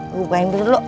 gue bukain dulu mak